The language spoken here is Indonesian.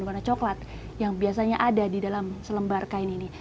warna coklat yang biasanya ada di dalam selembar kain ini